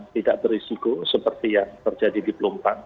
tidak berisiko seperti yang terjadi di pelumpang